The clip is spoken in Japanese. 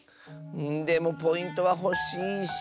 でもポイントはほしいし。